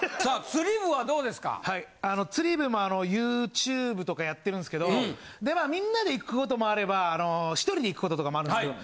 釣り部もＹｏｕＴｕｂｅとかやってるんすけどみんなで行く事もあれば１人で行く事とかもあるんすけど。